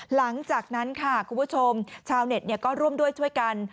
หลังจากนั้นค่ะคุณผู้ชมชาวเน็ตก็ร่วมด้วยช่วยกัน